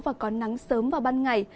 và có nắng sớm vào ban ngày